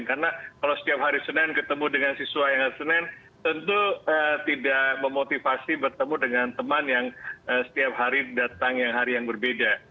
karena kalau setiap hari senen ketemu dengan siswa yang lain tentu tidak memotivasi bertemu dengan teman yang setiap hari datang yang hari yang berbeda